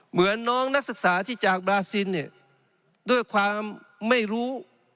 เหมือนน้องนักศึกษาที่จากบราซินเนี่ยด้วยความไม่รู้